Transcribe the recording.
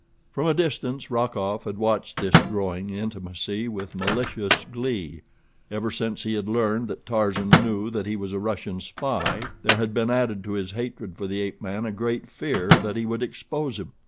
From a distance Rokoff had watched this growing intimacy with malicious glee. Ever since he had learned that Tarzan knew that he was a Russian spy there had been added to his hatred for the ape man a great fear that he would expose him.